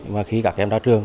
mà khi các em ra trường